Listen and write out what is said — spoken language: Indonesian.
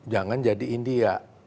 jangan jadi india